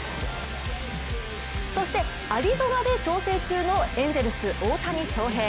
そして、アリゾナで調整中のエンゼルス・大谷翔平。